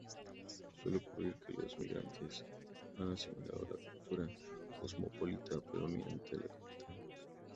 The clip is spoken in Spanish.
Suele ocurrir que los migrantes han asimilado la cultura cosmopolita predominante de la capital.